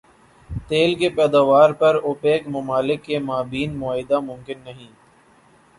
تیل کی پیداوار پر اوپیک ممالک کے مابین معاہدہ ممکن نہیں